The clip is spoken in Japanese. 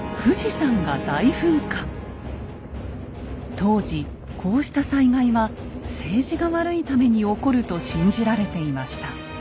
当時こうした災害は政治が悪いために起こると信じられていました。